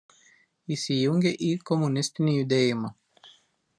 Įsijungė į komunistinį judėjimą.